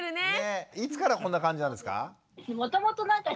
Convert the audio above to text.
いつからこんな感じなんですか？